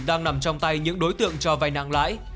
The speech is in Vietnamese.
đang nằm trong tay những đối tượng cho vay nặng lãi